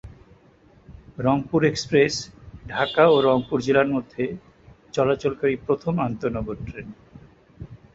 Rangpur express Dhaka ও রংপুর জেলার মধ্যে চলাচলকারী প্রথম আন্তঃনগর ট্রেন।